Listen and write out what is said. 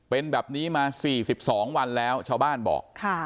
เป็นแบบนี้มา๔๒วันแล้วชาวบ้านบอก